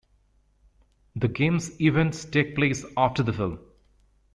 The game's events take place after the film.